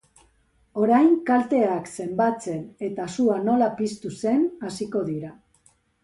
Orain kalteak zenbatzen eta sua nola piztu zen hasiko dira.